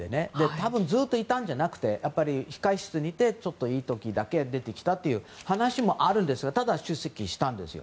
多分ずっといたんじゃなくて控室にいてちょっといい時だけ出てきたという話もあるんですがただ、出席したんですよ。